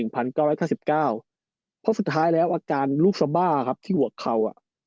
เพราะสุดท้ายแล้วอาการลูกสบ้าครับที่หัวเข่า